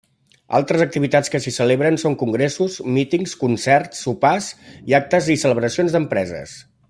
Altres activitats que s'hi celebren són congressos, mítings, concerts, sopars i actes i celebracions d'empreses.